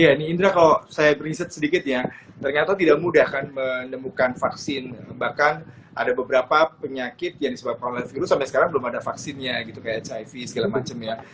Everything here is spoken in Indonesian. ya ini indra kalau saya berinset sedikit ya ternyata tidak mudah kan menemukan vaksin bahkan ada beberapa penyakit yang disebabkan oleh virus sampai sekarang belum ada vaksinnya gitu kayak hiv segala macam ya